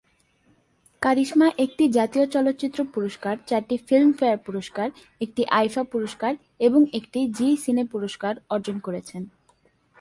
কারিশমা একটি জাতীয় চলচ্চিত্র পুরস্কার, চারটি ফিল্মফেয়ার পুরস্কার, একটি আইফা পুরস্কার এবং একটি জি সিনে পুরস্কার অর্জন করেছেন।